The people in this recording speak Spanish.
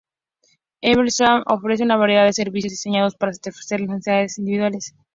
Easter Seals ofrece una variedad de servicios diseñados para satisfacer las necesidades individuales.